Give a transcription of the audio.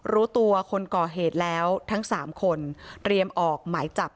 รู้ตัวคนก่อเหตุแล้วทั้งสามคนเตรียมออกหมายจับ